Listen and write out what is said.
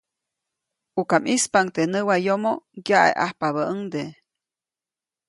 ʼUka ʼmispaʼuŋ teʼ näwayomo, ŋyaʼeʼajpabäʼuŋde.